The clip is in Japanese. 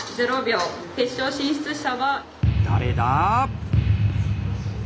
誰だ⁉